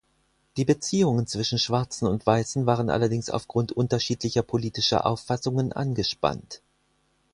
Die Beziehungen zwischen Schwarzen und Weißen waren allerdings aufgrund unterschiedlicher politischer Auffassungen angespannt.